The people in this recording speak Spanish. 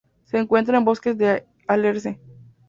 Se encuentra en bosques de alerce.